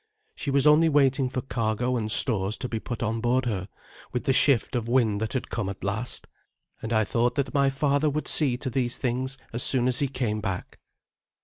She was only waiting for cargo and stores to be put on board her with the shift of wind that had come at last, and I thought that my father would see to these things as soon as he came back.